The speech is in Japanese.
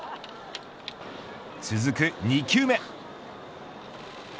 続く２球目。